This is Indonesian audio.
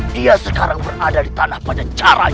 dia sekarang berada di tanah panjang caranya